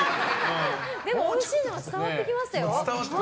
でも、おいしいのは伝わってきましたよ。